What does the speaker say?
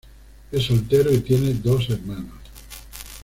Es soltero y tiene dos hermanos.